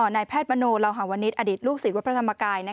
แนวพลาวหวานิสอลูกศีลวัดพระธรรมกาย